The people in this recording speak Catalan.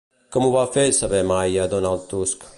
Com ho va fer saber May a Donald Tusk?